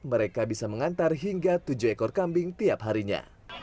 mereka bisa mengantar hingga tujuh ekor kambing tiap harinya